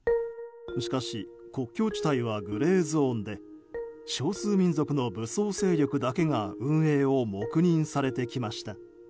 しかし、国境地帯はグレーゾーンで少数民族の武装勢力だけが運営を黙認されてきました。